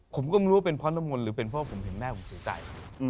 ผมก็ไม่รู้ว่าเป็นเพราะน้ำมนต์หรือเป็นเพราะผมเห็นแม่ผมเสียใจ